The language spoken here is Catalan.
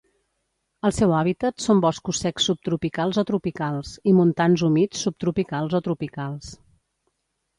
El seu hàbitat són boscos secs subtropicals o tropicals, i montans humits subtropicals o tropicals.